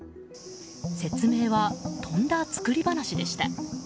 説明は、とんだ作り話でした。